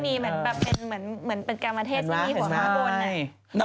มันก็มีเหมือนกามาเทศแบบนี้